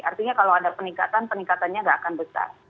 artinya kalau ada peningkatan peningkatannya nggak akan besar